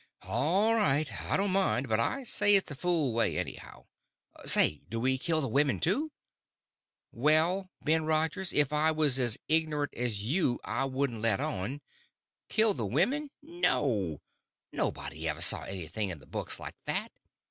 "All right. I don't mind; but I say it's a fool way, anyhow. Say, do we kill the women, too?" "Well, Ben Rogers, if I was as ignorant as you I wouldn't let on. Kill the women? No; nobody ever saw anything in the books like that.